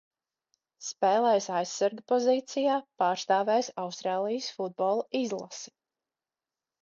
Spēlējis aizsarga pozīcijā, pārstāvējis Austrālijas futbola izlasi.